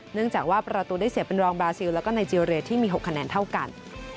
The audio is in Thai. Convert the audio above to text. เนื่องจากว่าประตูได้เสียเป็นรองบราซิลแล้วก็ไนเจรียที่มี๖คะแนนเท่ากัน